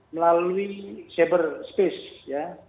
melalui saberspace ya